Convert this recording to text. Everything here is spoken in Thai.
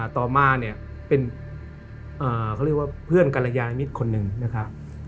ต่อมาเนี่ยเป็นเขาเรียกว่าเพื่อนกรยานิมิตรคนหนึ่งนะครับ